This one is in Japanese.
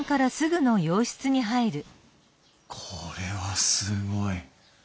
これはすごい。